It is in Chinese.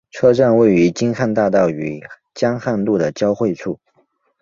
车站位于京汉大道与江汉路的交汇处。